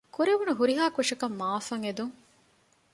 ކުރެވުނު ހުރިހާ ކުށަކަށް މަޢާފަށް އެދުން